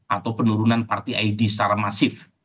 atau penurunan parti id secara masif